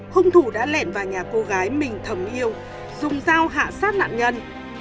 hung thủ đã lẻn vào nhà cô gái mình thầm yêu dùng dao hạ sát nạn nhân